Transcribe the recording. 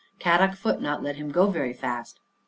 Kadok foot not let him go very fast."